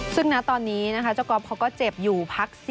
ซึ่งณตอนนี้นะคะเจ้าก๊อฟเขาก็เจ็บอยู่พัก๔